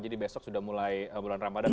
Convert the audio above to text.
jadi besok sudah mulai bulan ramadan